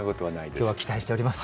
今日は期待しております。